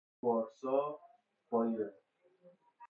بخش ناگه آیند